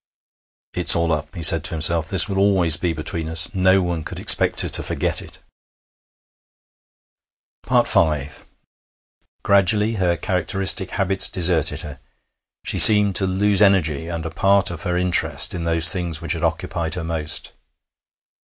'It's all up,' he said to himself. 'This will always be between us. No one could expect her to forget it.' V Gradually her characteristic habits deserted her; she seemed to lose energy and a part of her interest in those things which had occupied her most.